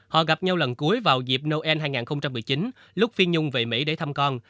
họ gặp nhau lần cuối vào dịp noel hai nghìn một mươi chín lúc phi nhung về mỹ để thăm con